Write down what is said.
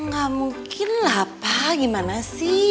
gak mungkin lah apa gimana sih